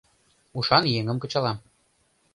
Ушан еҥым кычалам.